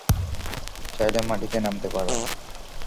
চাইলে মাটিতে নামতে পারো।